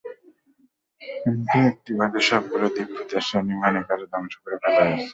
কিন্তু একটি বাদে সবগুলি দ্বীপ পোতাশ্রয় নির্মাণের কাজে ধ্বংস করে ফেলা হয়েছে।